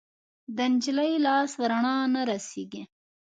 د نجلۍ لاس ورڼا نه رسیږي